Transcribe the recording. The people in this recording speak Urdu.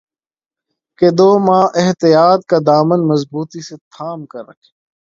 کہ دو ماہ احتیاط کا دامن مضبوطی سے تھام کررکھیں